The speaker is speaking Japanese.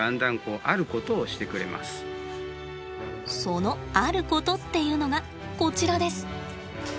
そのあることっていうのがこちらです。